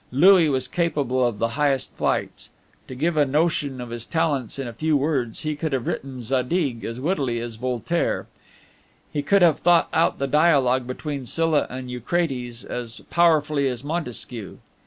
Louis was capable of the highest flights. To give a notion of his talents in a few words, he could have written Zadig as wittily as Voltaire; he could have thought out the dialogue between Sylla and Eucrates as powerfully as Montesquieu.